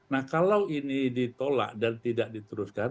nah kalau ini ditolak dan tidak diteruskan